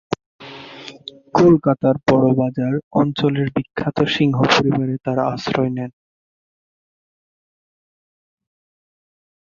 কলকাতার বড়বাজার অঞ্চলের বিখ্যাত সিংহ পরিবারে তারা আশ্রয় নেন।